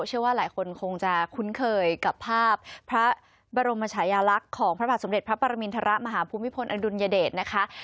เชื่อว่าหลายคนคงจะคุ้นเคยกับภาพพระบรมชายาลักษณ์ของพระบาทสมเด็จพระปรมินทรมาฮภูมิพลอดุลยเดชนะคะ